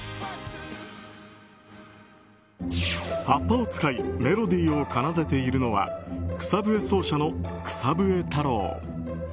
葉っぱを使いメロディーを奏でているのは草笛奏者の草笛太郎。